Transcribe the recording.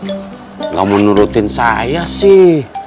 enggak menurutin saya sih